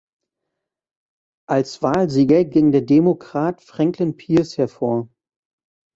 Als Wahlsieger ging der Demokrat Franklin Pierce hervor.